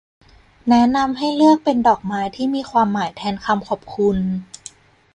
แนะนำให้เลือกเป็นดอกไม้ที่มีความหมายแทนคำขอบคุณ